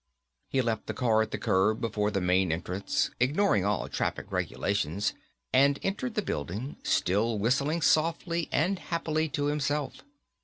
He left the car at the curb before the main entrance, ignoring all traffic regulations and entered the building, still whistling softly and happily to himself.